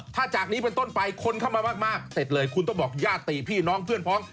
ถ้าจากนี้เป็นต้นไปคนเข้ามามากเสร็จเลยคุณต้องบอกญาติพี่น้องเพื่อนพร้อม